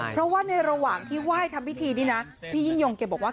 เพราะว่าในระหว่างที่ไหว้ทำพิธีนี่นะพี่ยิ่งยงแกบอกว่า